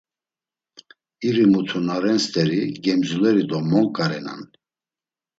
İri mutu na ren steri; gemzuleri do monǩa renan.